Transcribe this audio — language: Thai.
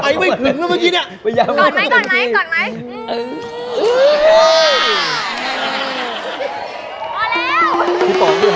ไอ้ไม่ขึ้นกันเมื่อกี้ด้านนี้ประยะมะก่อนไหมก่อนไหมก่อนไหม